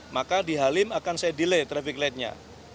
maka di halim akan saya delay traffic light nya